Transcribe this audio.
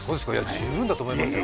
十分だと思いますよ。